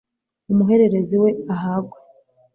umuhererezi we ahagwe